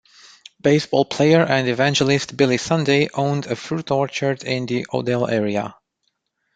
Baseball player and evangelist Billy Sunday owned a fruit orchard in the Odell area.